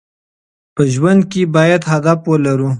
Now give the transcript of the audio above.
په ژوند کې باید هدف ولرو.